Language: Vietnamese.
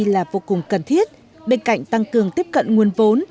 là vô cùng cần thiết bên cạnh tăng cường tiếp cận nguồn vốn